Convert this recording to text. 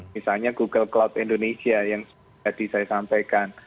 misalnya google cloud indonesia yang tadi saya sampaikan